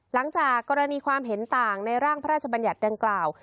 หลังจากกรณีความเห็นต่างในร่างพระราชบัญญัติดังกล่าว